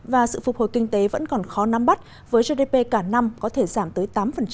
và sự phục hồi kinh tế vẫn còn khó nắm bắt với gdp cả năm có thể giảm tới tám